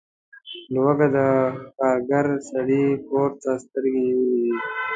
لوږه د کارګر سړي کور ته سترګې نیولي وي.